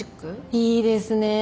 いいですねえ。